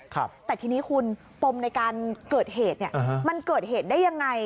แต่ทีนี้คุณปมในการเกิดเหตุเนี่ยมันเกิดเหตุได้ยังไง